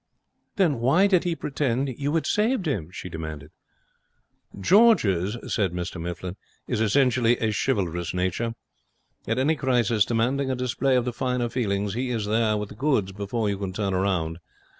'Then why did he pretend you had saved him?' she demanded. 'George's,' said Mr Mifflin, 'is essentially a chivalrous nature. At any crisis demanding a display of the finer feelings he is there with the goods before you can turn round.